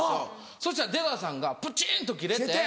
そしたら出川さんがプチンとキレて。